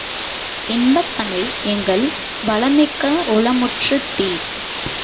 இன்பத்தமிழ் எங்கள் வளமிக்க உளமுற்ற தீ!